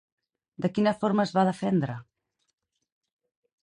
De quina forma es va defendre?